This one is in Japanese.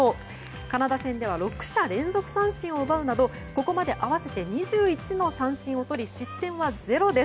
カナダ戦では６者連続三振で打ち取るなどここまで合わせて２１の三振をとり失点もゼロです。